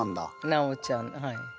なおちゃんはい。